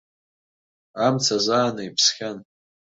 Амца зааны иԥсхьан.